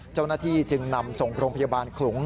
เจ้าหน้าที่จึงนำส่งโรงพยาบาลขลุง